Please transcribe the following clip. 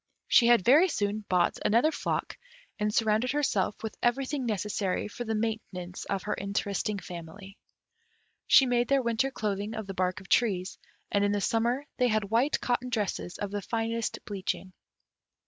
She had very soon bought another flock, and surrounded herself with everything necessary for the maintenance of her interesting family. She made their winter clothing of the bark of trees, and in the summer they had white cotton dresses of the finest bleaching.